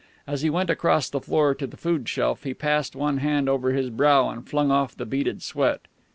As he went across the floor to the food shelf, he passed one hand over his brow and flung off the beaded sweat.